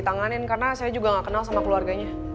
yang disuruh anak gue duluan